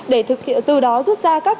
để thực hiện từ đó rút ra các